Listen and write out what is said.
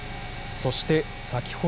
そして、先ほど。